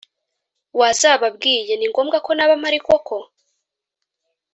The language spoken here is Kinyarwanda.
wazababwiye ningombwa ko naba mpari koko!"